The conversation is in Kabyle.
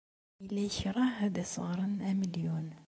Yella yekṛeh ad as-ɣren amelɣun.